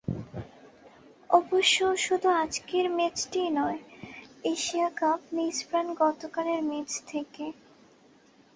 অবশ্য শুধু আজকের ম্যাচটিই নয়, এশিয়া কাপ নিষ্প্রাণ গতকালের ম্যাচ থেকে।